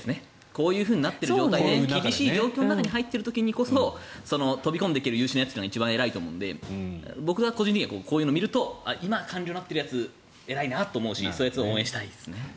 こういう環境になって厳しい状況に入っている時こそ飛び込んでいける優秀なやつが一番偉いと思うので僕は個人的にはこういうのを見ると今、官僚になってるやつ偉いなと思うしそういうやつを応援したいですね。